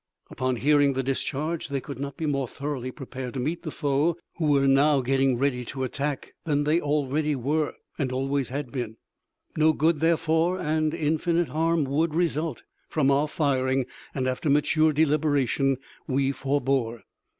Upon hearing the discharge they could not be more thoroughly prepared to meet the foe, who were now getting ready to attack, than they already were, and always had been. No good, therefore, and infinite harm, would result from our firing, and after mature deliberation, we forbore.